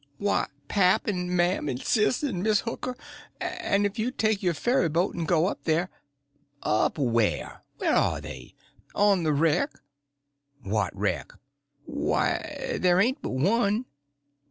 "Why, pap and mam and sis and Miss Hooker; and if you'd take your ferryboat and go up there—" "Up where? Where are they?" "On the wreck." "What wreck?" "Why, there ain't but one."